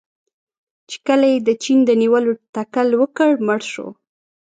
چې کله یې د چین د نیولو تکل وکړ، مړ شو.